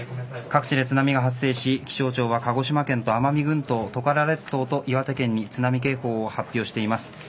各地で津波が発生し気象庁は鹿児島県と奄美群島、トカラ列島と岩手県に津波警報を発表しています。